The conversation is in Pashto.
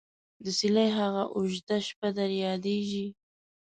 دڅيلې هغه او ژده شپه در ياديژي ?